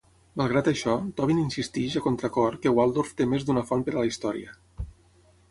Malgrat això, Tobin insisteix a contracor que Waldorf té més d'una font per a la història.